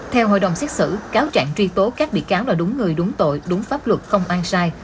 theo hội đồng xét xử cáo trạng truy tố các bị cáo là đúng người đúng tội đúng pháp luật không an sai